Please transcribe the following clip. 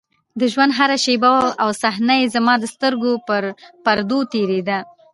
د ژونـد هـره شـيبه او صحـنه يـې زمـا د سـترګو پـر پـردو تېـرېده.